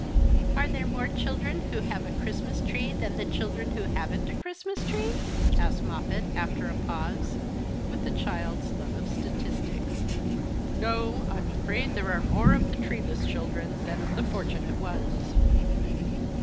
" Are there more children who have a Christmas tree than the children who haven't a Christmas tree ?" asked Moppet, after a pause, with the child's love of statistics. " No, I'm afraid there are more of the treeless children than of the fortunate ones."